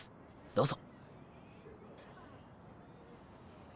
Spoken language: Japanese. どうぞ。